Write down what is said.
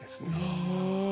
へえ。